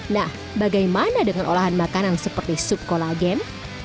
nah bagaimana dengan olahan makanan seperti sup kolagen